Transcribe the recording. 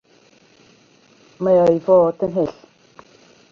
Mae o i fod yn hyll.